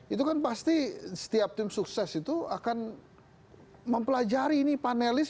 itu kan pasti setiap tim sukses itu akan mempelajari ini panelis